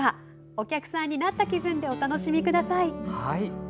お客さんになった気分でお楽しみください。